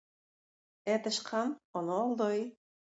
Ә тычкан аны алдый.